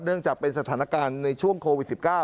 จากเป็นสถานการณ์ในช่วงโควิด๑๙